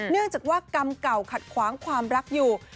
เนื่องจากว่ากรรมเก่าขัดขวางความรักอยู่